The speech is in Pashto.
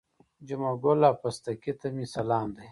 جمعه ګل او پستکي ته مې سلام دی.